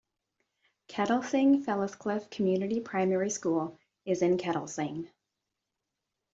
Kettlesing Felliscliffe Community Primary School is in Kettlesing.